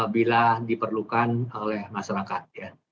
bila diperlukan oleh masyarakat